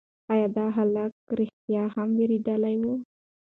ایا دا هلک رښتیا هم وېرېدلی و؟